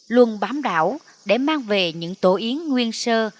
luôn bám đảo để mang về những tổ yến nguyên sơ